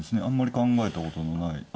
あんまり考えたことのない。